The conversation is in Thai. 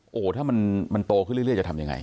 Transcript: โอ้โหถ้ามันโตขึ้นเรื่อยจะทำยังไง